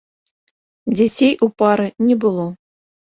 Дзяцей у пары не было.